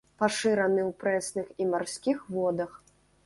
Пашыраны ў прэсных і марскіх водах.